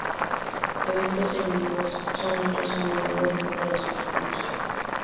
Eventos en vivos son hechos a menudo dentro del centro comercial.